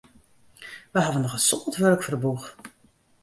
Wy hawwe noch in soad wurk foar de boech.